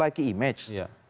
dan yang dipilih itu